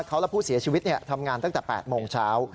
เขาและผู้เสียชีวิตทำงานตั้งแต่๘โมงเช้า